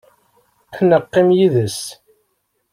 Ad neqqim yid-s.